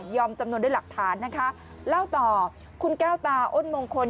จำนวนด้วยหลักฐานนะคะเล่าต่อคุณแก้วตาอ้นมงคล